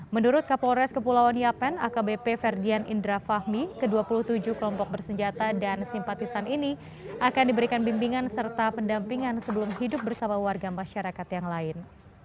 menurut kapolres kepulauan yapen akbp ferdian indra fahmi ke dua puluh tujuh kelompok bersenjata dan simpatisan ini akan diberikan bimbingan serta pendampingan sebelum hidup bersama warga masyarakat yang lain